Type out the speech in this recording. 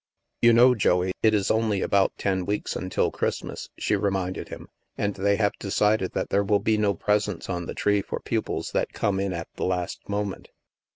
" You know, Joey, it is only about ten weeks un til Christmas," she reminded him. " And they have decided that there will be no presents on the tree for pupils that come in at the last moment."